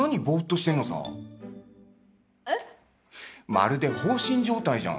まるで放心状態じゃん！